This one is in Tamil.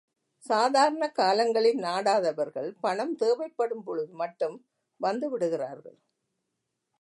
சாதாரணக் காலங்களில் நாடாதவர்கள் பணம் தேவைப்படும்பொழுது மட்டும் வந்துவிடுகிறார்கள்.